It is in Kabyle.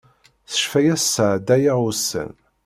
S ccfaya-s sɛeddayeɣ ussan.